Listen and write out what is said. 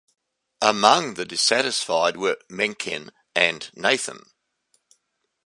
Among the dissatisfied were Mencken and Nathan.